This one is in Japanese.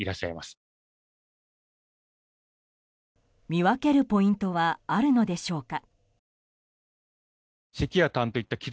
見分けるポイントはあるのでしょうか。